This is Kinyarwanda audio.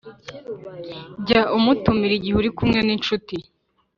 jya umutumira igihe uri kumwe n’inshuti